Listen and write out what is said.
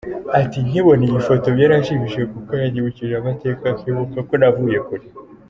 Ati “Nkibona iyi foto byaranshimishije kuko yanyibukije amateka nkibuka ko navuye kure.